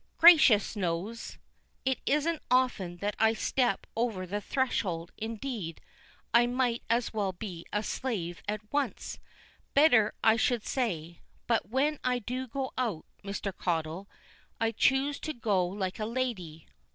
Gracious knows! it isn't often that I step over the threshold; indeed, I might as well be a slave at once, better, I should say. But when I do go out, Mr. Caudle, I choose to go like a lady.